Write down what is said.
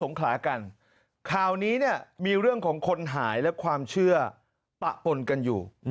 งขลากันข่าวนี้เนี่ยมีเรื่องของคนหายและความเชื่อปะปนกันอยู่